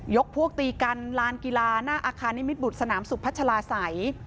พวกตีกันลานกีฬาหน้าอาคารนิมิตบุตรสนามสุพัชลาศัย